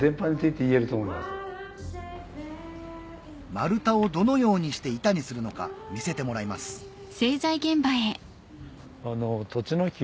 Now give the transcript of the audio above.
丸太をどのようにして板にするのか見せてもらいます大きい。